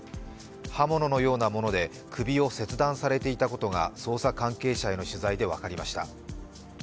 刃物のようなもので首を切断されていたことが捜査関係者への取材で分かりました。